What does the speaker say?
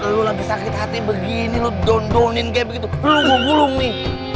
lu lagi sakit hati begini lu dondonin kayak begitu lu bobulung nih